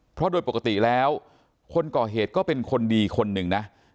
เพราะโดยปกติแล้วคนก่อเหตุก็เป็นคนดีคนหนึ่งนะ